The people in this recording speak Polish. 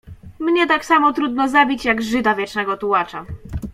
"Mnie tak samo trudno zabić, jak Żyda wiecznego tułacza."